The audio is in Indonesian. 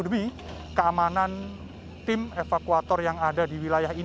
dewi keamanan tim evakuator yang ada di wilayah ini